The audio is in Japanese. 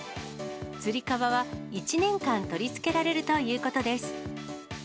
つり革は１年間取り付けられるということです。